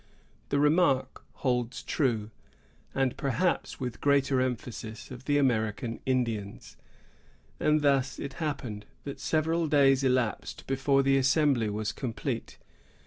The remark holds true, and perhaps with greater emphasis, of the American Indians; and thus it happened, that several days elapsed before the assembly was complete.